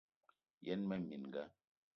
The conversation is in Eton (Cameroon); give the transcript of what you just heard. Yen mmee minga: